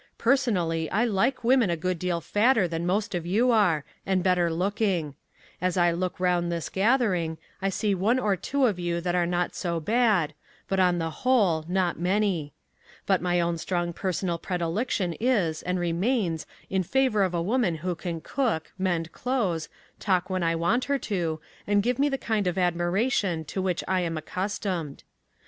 Personally I like women a good deal fatter than most of you are, and better looking. As I look around this gathering I see one or two of you that are not so bad, but on the whole not many. But my own strong personal predilection is and remains in favour of a woman who can cook, mend clothes, talk when I want her to, and give me the kind of admiration to which I am accustomed.